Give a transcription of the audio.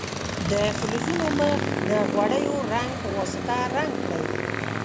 د فلزونو مخ د غوړیو رنګ په واسطه رنګ کړئ.